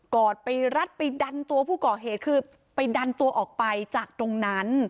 อดไปรัดไปดันตัวผู้ก่อเหตุคือไปดันตัวออกไปจากตรงนั้น